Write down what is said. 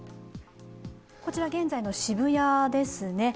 こちら現在の渋谷ですね。